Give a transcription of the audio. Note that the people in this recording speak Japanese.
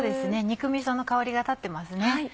肉みその香りが立ってますね。